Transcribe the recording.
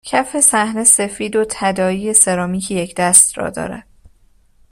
کف صحنه سفید و تداعی سرامیکی یکدست را دارد